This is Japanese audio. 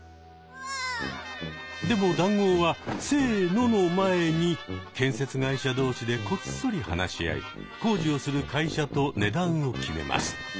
でも談合は「せの！」の前に建設会社同士でこっそり話し合い工事をする会社と値段を決めます。